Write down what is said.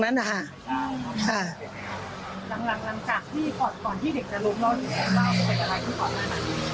หลังจากพี่ก่อนที่เด็กจะล้มล้มล้ม